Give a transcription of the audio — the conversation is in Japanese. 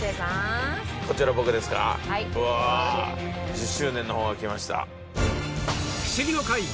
１０周年の方が来ました。